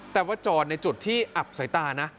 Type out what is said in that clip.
แต่ว่าจอดในจุดที่อับสายตานะ